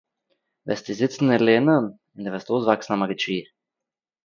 וועסטו זיצן און לערנען און די וועסט אויסוואקסען א מגיד שיעור